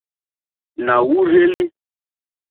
Na wurzeli.